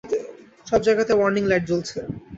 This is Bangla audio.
সব জায়গাতে ওয়ার্নিং লাইট জ্বলছে।